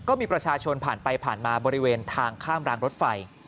ก็มีประชาชนผ่านไปผ่านมาบริเวณทางข้ามรางรถไฟ